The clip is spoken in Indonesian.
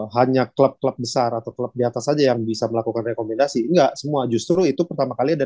hanya klub klub besar atau klub di atas saja yang bisa melakukan rekomendasi enggak semua justru itu pertama kali ada